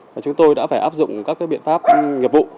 và chúng tôi đã phải áp dụng các biện pháp nghiệp vụ